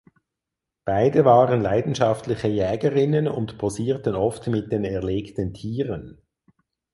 Beide waren leidenschaftliche Jägerinnen und posierten oft mit den erlegten Tieren.